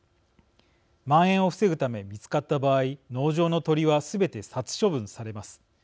まん延を防ぐため見つかった場合、農場の鳥はすべて殺処分されます。